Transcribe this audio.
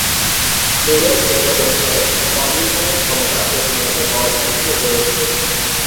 মুরের সূত্র অনুসারে, কম্পিউটারের ক্ষমতা প্রতিনিয়ত বর্ধনশীল রয়েছে।